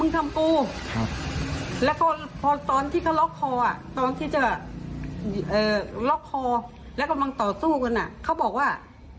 สุดแรงแล้วเกือบจะต่อสู้ไม่ไหวแล้วนะ